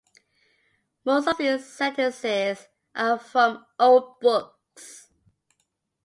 Most of these sentences are from old books.